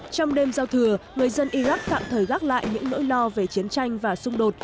trong đêm giao thừa người dân iraq tạm thời gác lại những nỗi lo về chiến tranh và xung đột